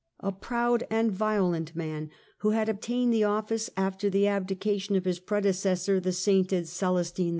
a proud and violent man, who had obtained the ofiice after the abdication of his predecessor the sainted Celestine V.